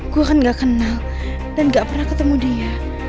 gue kan gak kenal dan gak pernah ketemu dia